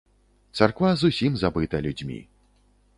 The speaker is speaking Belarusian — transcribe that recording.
Царква зусім забыта людзьмі.